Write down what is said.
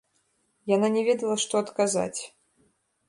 Яна не ведала, што адказаць.